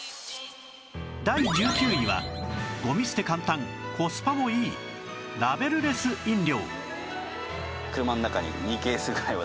第１９位はゴミ捨て簡単コスパもいいラベルレス飲料